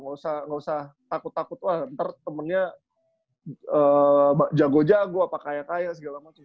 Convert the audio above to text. nggak usah takut takut wah ntar temennya jago jago apa kaya kaya segala macam